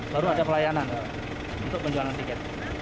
baru ada pelayanan untuk penjualan tiket